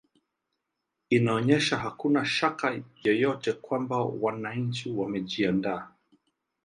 inaonyesha hakuna shaka yoyote kwamba wananchi wamejiandaa